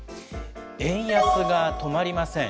円安が止まりません。